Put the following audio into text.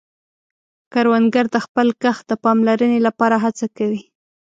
کروندګر د خپل کښت د پاملرنې له پاره هڅه کوي